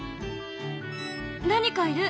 何かいる！